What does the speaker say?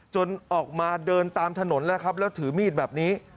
ออกมาเดินตามถนนแล้วครับแล้วถือมีดแบบนี้